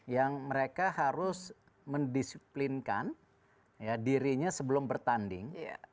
yang mereka harus mendisiplinkan dirinya sebelum bertanding